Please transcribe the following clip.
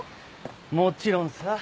もちろんさ。